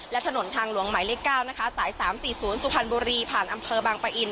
และถนนทางหลวงไหมเล็กเก้านะคะสายสามสี่ศูนย์สุพรรณบุรีผ่านอำเภอบางปะอิน